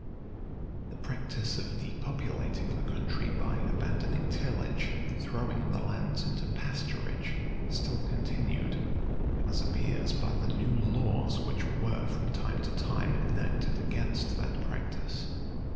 [] The practice of depopulating the country by abandoning tillage, and throwing the lands into pasturage, still continued;[] as appears by the new laws which were from time to time enacted against that practice.